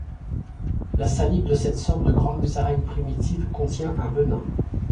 La salive de cette sorte de grande musaraigne primitive contient un venin.